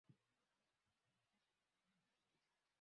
Ikiwa una wasiwasi juu ya kujaza muda